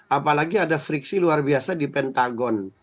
apalagi ada friksi luar biasa di pentagon